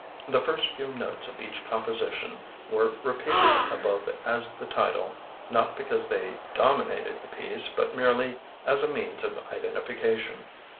The first few notes of each composition were r^ieated alxive as the title, not because they dominated the piece, but merely as a means of identification.